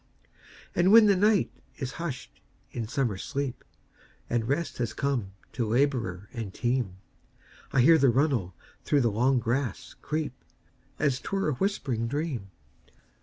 And when the night is hush'd in summer sleep, And rest has come to laborer and team,I hear the runnel through the long grass creep, As 't were a whispering dream.